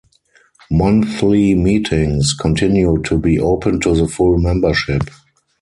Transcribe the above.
Monthly meetings continued to be open to the full membership.